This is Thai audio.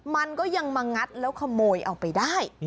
มันก็ยังมางัดแล้วขโมยเอาไปได้